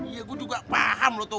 iya gua juga paham lu tuh